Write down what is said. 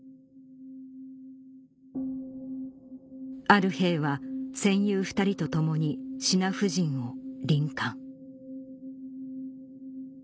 「ある兵は戦友２人と共に支那婦人を輪姦」